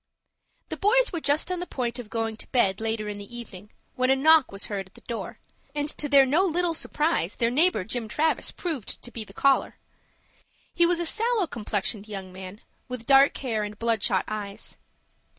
The boys were just on the point of going to bed, later in the evening, when a knock was heard at the door, and, to their no little surprise, their neighbor, Jim Travis, proved to be the caller. He was a sallow complexioned young man, with dark hair and bloodshot eyes.